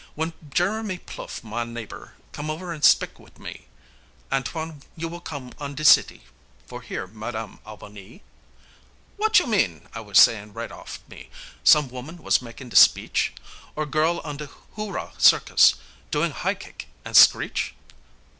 W'en Jeremie Plouffe, ma neighbor, come over an' spik wit' me, "Antoine, you will come on de city, for hear Ma dam All ba nee?" "W'at you mean?" I was sayin' right off, me, "Some woman was mak' de speech, Or girl on de Hooraw Circus, doin' high kick an' screech?"